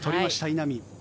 稲見。